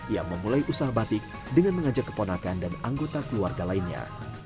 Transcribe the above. ia memulai usaha batik dengan mengajak keponakan dan anggota keluarga lainnya